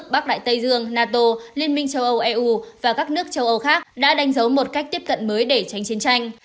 bắc đại tây dương nato liên minh châu âu eu và các nước châu âu khác đã đánh dấu một cách tiếp cận mới để tránh chiến tranh